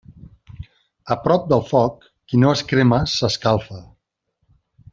A prop del foc, qui no es crema, s'escalfa.